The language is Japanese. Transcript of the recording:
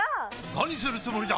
何するつもりだ！？